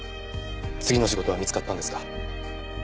次の仕事は見つかったんですか？